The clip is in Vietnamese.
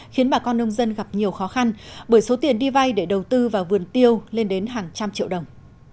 khiến bà con nông dân gặp nhiều khó khăn bởi số tiền đi vay để đầu tư vào vườn tiêu lên đến hàng trăm triệu đồng